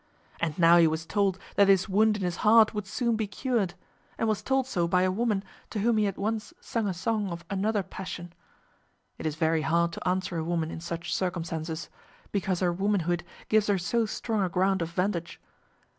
And now he was told that this wound in his heart would soon be cured, and was told so by a woman to whom he had once sung a song of another passion. It is very hard to answer a woman in such circumstances, because her womanhood gives her so strong a ground of vantage!